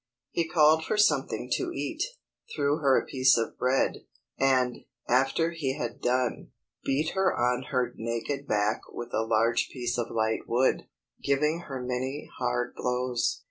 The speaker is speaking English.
He called for something to eat, threw her a piece of bread, and, after he had done, beat her on her naked back with a large piece of light wood, giving her many hard blows.